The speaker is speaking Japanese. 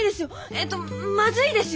えっとまずいですよ。